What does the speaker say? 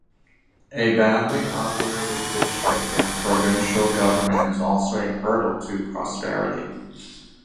A badly-operated district and provincial government is also a hurdle to prosperity.